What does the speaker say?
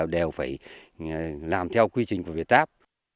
đều phải làm theo quy trình của việt giáp